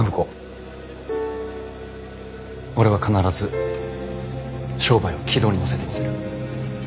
俺は必ず商売を軌道に乗せてみせる。